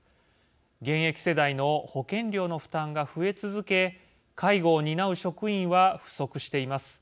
現役世代の保険料の負担が増え続け介護を担う職員は不足しています。